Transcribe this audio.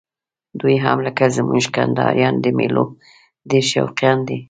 دوی هم لکه زموږ کندهاریان د میلو ډېر شوقیان دي.